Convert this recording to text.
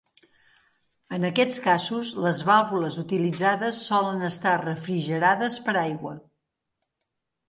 En aquests casos les vàlvules utilitzades solen estar refrigerades per aigua.